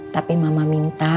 tapi mama minta